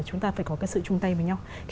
chúng ta phải có cái sự chung tay với nhau